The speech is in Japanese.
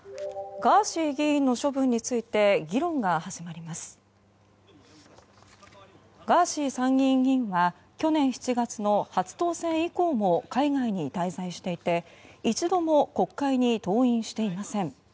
ガーシー参議院議員は去年７月の初当選以降も海外に滞在していて一度も国会に登院していません。